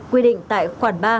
quy định tại khoản ba